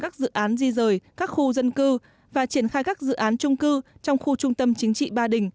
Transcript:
các dự án di rời các khu dân cư và triển khai các dự án trung cư trong khu trung tâm chính trị ba đình